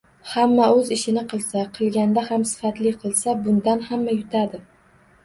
Hamma oʻz ishini qilsa, qilganda ham sifatli qilsa — bundan hamma yutadi.